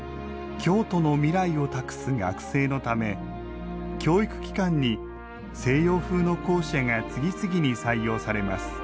京都の未来を託す学生のため教育機関に西洋風の校舎が次々に採用されます。